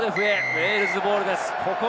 ウェールズボールです。